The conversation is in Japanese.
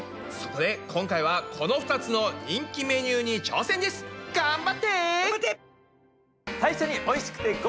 そこで今回はこの２つの人気メニューに挑戦です！頑張って！頑張って！